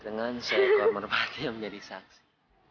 dengan seorang perempuan yang menjadi saksi